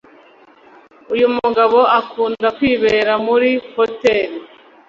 Uyumugabo akunda kwibera muri hoteli